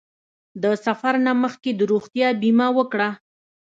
د سفر نه مخکې د روغتیا بیمه وکړه.